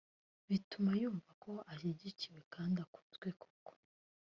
bituma yumva ko ashyigikiwe kandi akunzwe koko